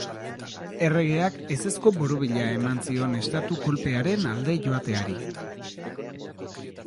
Erregeak ezezko borobila eman zion estatu-kolpearen alde joateari.